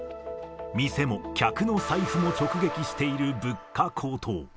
店も客の財布も直撃している物価高騰。